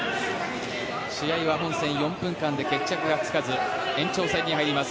試合は本戦４分間で決着がつかず延長戦に入ります。